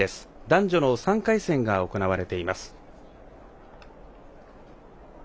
男女の３回戦が行われています。